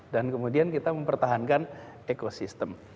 dan kemudian kita mempertahankan ekosistem